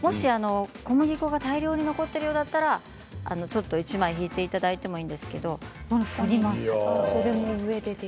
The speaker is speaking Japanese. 小麦粉が大量に残っているようだったら１枚敷いていただいてもいいんですけれども。